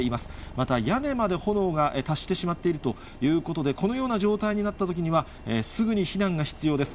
また屋根まで炎が達してしまっているということで、このような状態になったときには、すぐに避難が必要です。